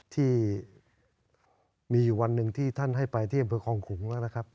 ที่มีอยู่วันหนึ่งที่ท่านให้ไปที่อำเภอคลองขุงแล้วนะครับ